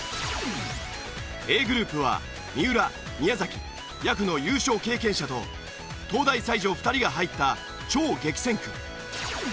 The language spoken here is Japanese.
Ａグループは三浦宮崎やくの優勝経験者と東大才女２人が入った超激戦区。